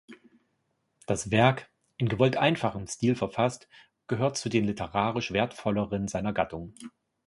Das Werk, in gewollt einfachem Stil verfasst, gehört zu den literarisch wertvolleren seiner Gattung.